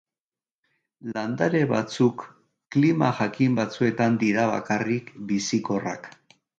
Landare batzuk klima jakin batzuetan dira bakarrik bizikorrak.